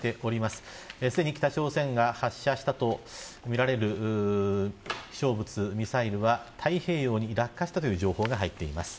すでに北朝鮮が発射したとみられる飛翔物、ミサイルは、太平洋に落下したという情報が入っています。